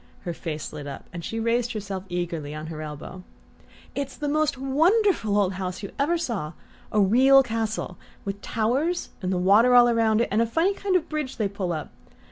Her face lit up and she raised herself eagerly on her elbow. "It's the most wonderful old house you ever saw: a real castle, with towers, and water all round it, and a funny kind of bridge they pull up.